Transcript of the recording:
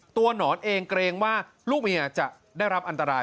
หนอนเองเกรงว่าลูกเมียจะได้รับอันตราย